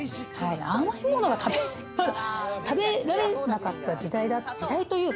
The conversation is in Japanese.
甘いものが食べられなかった時代。